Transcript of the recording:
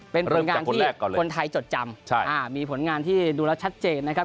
เป็นผลงานที่คนไทยจดจำมีผลงานที่ดูแล้วชัดเจนนะครับ